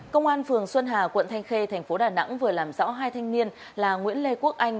công an phường xuân hà quận thanh khê thành phố đà nẵng vừa làm rõ hai thanh niên là nguyễn lê quốc anh